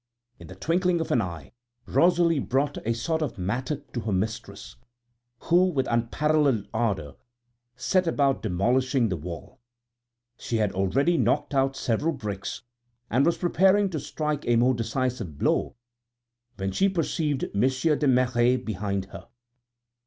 In the twinkling of an eye, Rosalie brought a sort of mattock to her mistress, who with unparalleled ardor set about demolishing the wall. She had already knocked out several bricks and was preparing to strike a more decisive blow when she perceived Monsieur de Merret behind her.